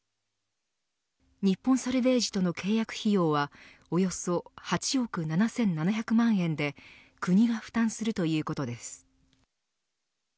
日本サルヴェージとの契約費用はおよそ８億７７００万円で国が負担するということです。